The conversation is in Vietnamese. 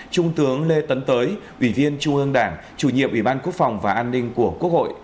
trung tướng lê tấn tới ủy viên trung ương đảng chủ nhiệm ủy ban quốc phòng và an ninh của quốc hội